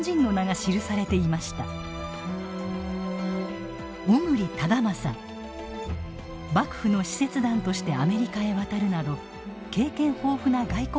幕府の使節団としてアメリカへ渡るなど経験豊富な外交官でした。